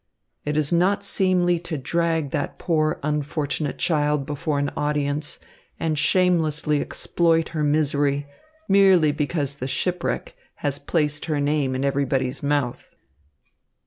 It is not seemly to drag that poor unfortunate child before an audience and shamelessly exploit her misery, merely because the shipwreck has placed her name in everybody's mouth."